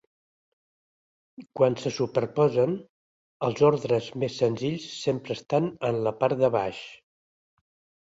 Quan se superposen, els ordres més senzills sempre estan en la part de baix.